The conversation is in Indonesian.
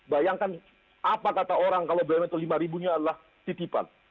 bayangkan apa kata orang kalau bumn itu lima ribunya adalah titipan